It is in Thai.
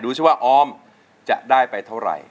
ซิว่าออมจะได้ไปเท่าไหร่